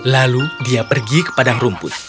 lalu dia pergi ke padang rumput